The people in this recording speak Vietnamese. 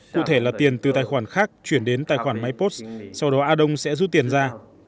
cụ thể là tiền từ tài khoản khác chuyển đến tài khoản máy post sau đó a đông sẽ rút tiền ra